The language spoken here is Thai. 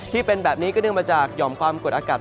ที่เป็นแบบนี้ก็เนื่องมาจากหย่อมความกดอากาศ